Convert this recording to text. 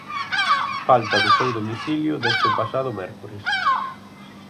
Falta do seu domicilio desde o pasado mércores.